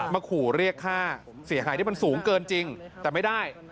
มาขู่เรียกค่าเสียหายที่มันสูงเกินจริงแต่ไม่ได้